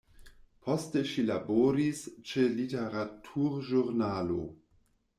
Poste ŝi laboris ĉe literaturĵurnalo.